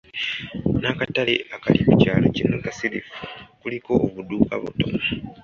N'akatale akali ku kyaalo kino kasirifu, kuliko obuduuka butono.